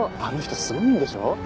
あの人すごいんでしょ？